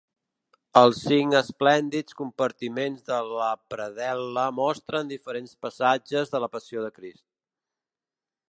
Els cinc esplèndids compartiments de la predel·la mostren diferents passatges de la Passió de Crist.